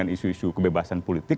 isu isu kebebasan politik